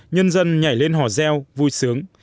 nhân dân nhảy lên hò reo vui sướng